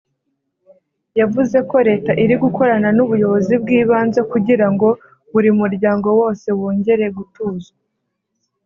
yavuze ko leta iri gukorana n'ubuyobozi bw'ibanze kugira ngo "buri muryango wose wongere gutuzwa"